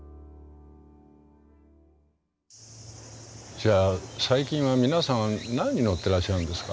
じゃあ最近は皆さん何に乗ってらっしゃるんですか？